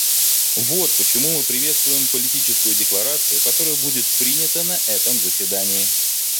Вот почему мы приветствуем Политическую декларацию, которая будет принята на этом заседании.